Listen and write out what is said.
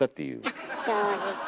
あっ正直な。